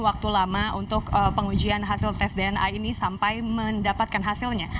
waktu lama untuk pengujian hasil tes dna ini sampai mendapatkan hasilnya